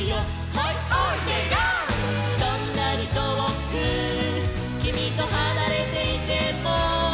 「どんなにとおくきみとはなれていても」